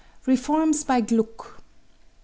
Reforms by Gluck.